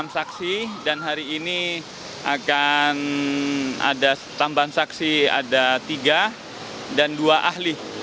enam saksi dan hari ini akan ada tambahan saksi ada tiga dan dua ahli